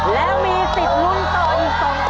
แล้วมีสิทธิ์ลุ้นต่ออีก๒ข้อ